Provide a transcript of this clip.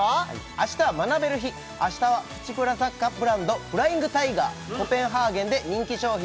明日は学べる日明日はプチプラ雑貨ブランドフライングタイガーコペンハーゲンで人気商品